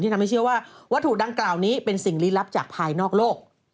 ทำให้เชื่อว่าวัตถุดังกล่าวนี้เป็นสิ่งลี้ลับจากภายนอกโลก